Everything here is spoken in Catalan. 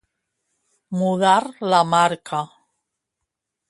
Mudar la marca.